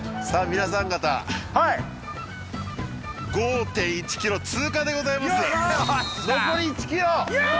皆さん方はい５．１ｋｍ通過でございますよっしゃ！